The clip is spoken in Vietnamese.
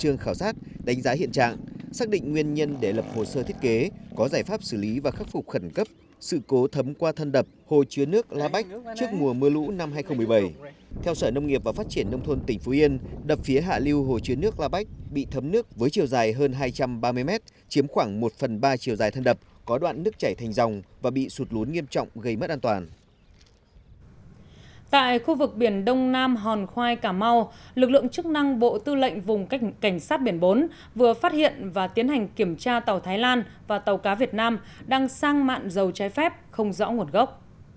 hòn khoai cà mau lực lượng chức năng bộ tư lệnh vùng cảnh sát biển bốn vừa phát hiện và tiến hành kiểm tra tàu thái lan và tàu cá việt nam đang sang mạng dầu trái phép không rõ nguồn gốc